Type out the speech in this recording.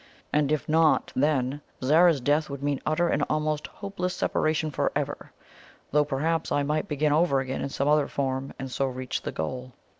And if not then Zara's death would mean utter and almost hopeless separation for ever though perhaps I might begin over again in some other form, and so reach the goal."